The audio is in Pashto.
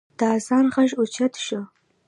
د اذان غږ اوچت شو.